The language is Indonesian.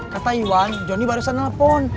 kata iwan johnny barusan telepon